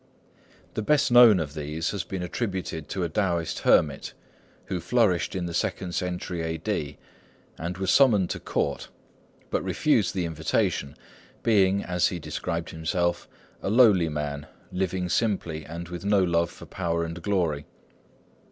The best known of these has been attributed to a Taoist hermit who flourished in the second century A.D., and was summoned to court, but refused the invitation, being, as he described himself, a lowly man, living simply, and with no love for power and glory.